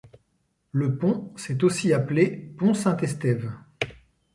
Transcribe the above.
Le pont s'est aussi appelé pont Saint-Estève.